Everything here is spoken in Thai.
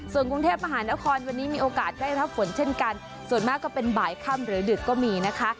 ส่วนกรุงเทพมหานครวันนี้มีโอกาสได้รับฝนเช่นกันส่วนมากก็เป็นบ่ายค่ำหรือดึกก็มีนะคะ